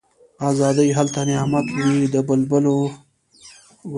آزادي هلته نعمت وي د بلبلو